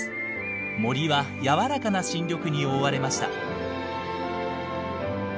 森は柔らかな新緑に覆われました。